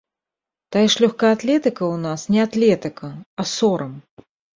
Тая ж лёгкая атлетыка ў нас не атлетыка, а сорам.